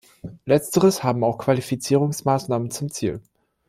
Letzteres haben auch Qualifizierungsmaßnahmen zum Ziel.